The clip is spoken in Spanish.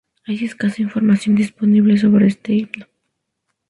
Hay escasa información disponible sobre este himno.